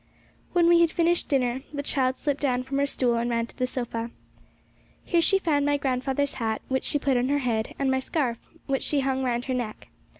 When we had finished dinner, the child slipped down from her stool, and ran to the sofa. Here she found my grandfather's hat, which she put on her head, and my scarf, which she hung round her neck.